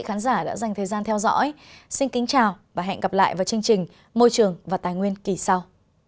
các em đã dành thời gian theo dõi xin kính chào và hẹn gặp lại vào chương trình môi trường và tài nguyên kỳ sau